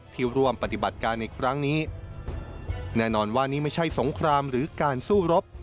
ที่ร่วมปฏิบัติการในครั้งนี้แน่นอนว่านี่ไม่ใช่สงครามหรือการสู้รบ